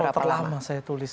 ini novel terlama saya tulis